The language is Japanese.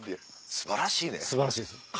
素晴らしいです。